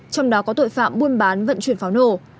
trong đó có tội phạm buôn bán vận chuyển pháo nổ